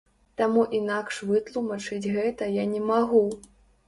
Таму інакш вытлумачыць гэта я не магу.